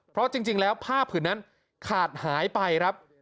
เพราะจริงแล้วผ้าผืนนั้นขาดหายไปครับ